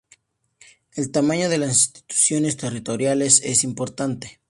El tamaño de las instituciones territoriales es importante.